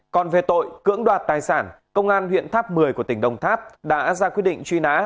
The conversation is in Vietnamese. còn về tội cưỡng đoạt tài sản công an huyện tháp một mươi của tỉnh đồng tháp đã ra quyết định truy nã